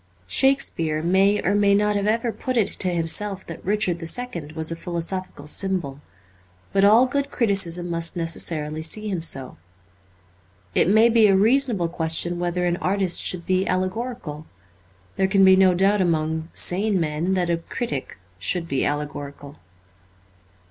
Shakespeare may or may not have ever put it to himself that Richard the Second was a philosophical symbol ; but all good criticism must necessarily see him so. It may be a reasonable question whether an artist should be allegorical. There can be no doubt among sane men that a critic should be allegorical.